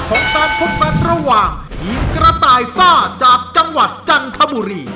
ของการพบกันระหว่างทีมกระต่ายซ่าจากจังหวัดจันทบุรี